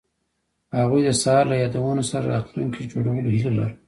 هغوی د سهار له یادونو سره راتلونکی جوړولو هیله لرله.